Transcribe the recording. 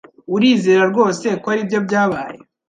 Urizera rwose ko aribyo byabaye?